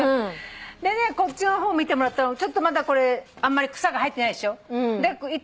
こっちの方見てもらったらまだこれあんまり草が生えてないでしょ。